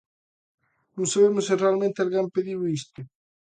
Non sabemos se realmente alguén pediu isto.